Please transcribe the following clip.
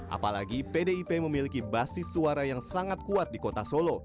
apalagi pdip memiliki basis suara yang sangat kuat di kota solo